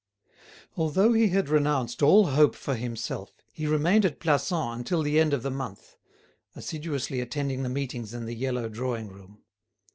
Although he had renounced all hope for himself, he remained at Plassans until the end of the month, assiduously attending the meetings in the yellow drawing room.